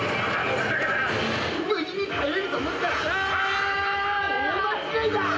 無事に帰れると思ったら大間違いだ！